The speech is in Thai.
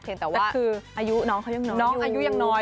เพียงแต่ว่าอายุน้องเขายังน้อย